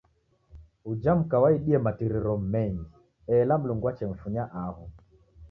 Uja muka waidie matiriro mengi ela Mlungu wachemfunya aho.